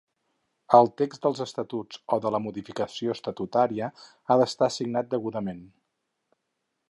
El text dels estatuts o de la modificació estatutària ha d'estar signat degudament.